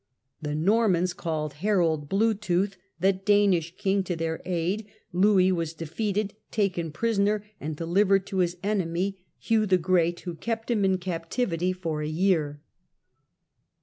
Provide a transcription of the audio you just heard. The Normans called Harold Blue tooth, the Danish king, to their aid, Louis was defeated, taken prisoner, and delivered to his enemy Hugh the Great, who kept him in captivity FRANCE UNDER LOUIS VI. AND LOUIS VII. 99 for a year.